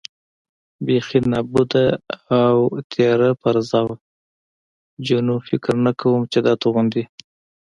بېخي نابوده او تېره پرزه وه، جینو: فکر نه کوم چې دا توغندي.